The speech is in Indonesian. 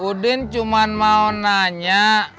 udin cuma mau nanya